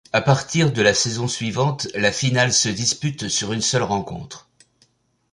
À partir de la saison suivante, la finale se dispute sur une seule rencontre.